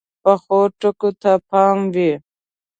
پخو ټکو ته پام وي